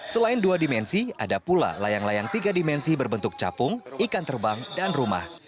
selain dua dimensi ada pula layang layang tiga dimensi berbentuk capung ikan terbang dan rumah